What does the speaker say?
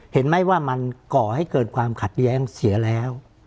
เห็นไหมว่ามันก่อให้เกิดความขัดแย้งเสียแล้ว